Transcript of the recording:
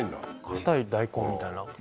硬い大根みたいな。